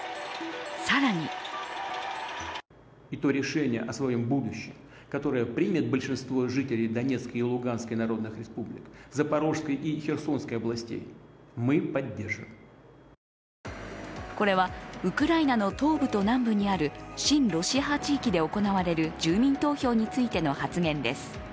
更にこれは、ウクライナの東部と南部にある親ロシア派地域で行われる住民投票についての発言です。